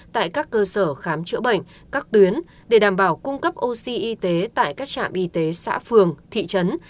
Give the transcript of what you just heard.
tại các cơ sở khám chữa bệnh các tuyến để đảm bảo cung cấp oxy y tế tại các trạm y tế xã phường thị trấn